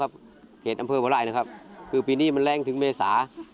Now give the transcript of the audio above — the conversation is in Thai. ครับเกสอำเภอบัไรนะครับคือปีนี้มันแลงถึงเมษา